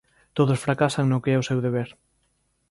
Todos fracasan no que é o seu deber.